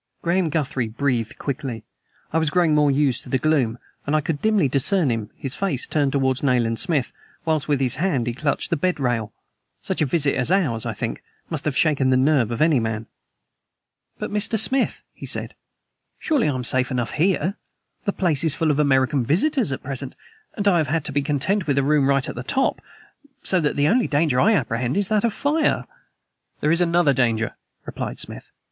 Graham Guthrie breathed quickly. I was growing more used to the gloom, and I could dimly discern him, his face turned towards Nayland Smith, whilst with his hand he clutched the bed rail. Such a visit as ours, I think, must have shaken the nerve of any man. "But, Mr. Smith," he said, "surely I am safe enough here! The place is full of American visitors at present, and I have had to be content with a room right at the top; so that the only danger I apprehend is that of fire." "There is another danger," replied Smith.